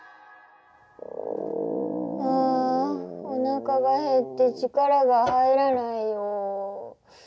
あおなかがへって力が入らないよ。